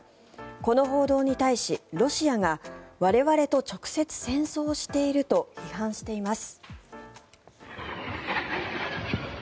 この報道に対し、ロシアが我々と直接戦争していると批判しています。